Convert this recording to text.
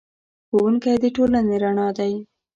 ښوونکی د ټولنې رڼا دی.